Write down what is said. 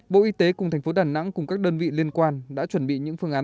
bộ y tế cùng thành phố đà nẵng cùng các đơn vị liên quan đã chuẩn bị những phương án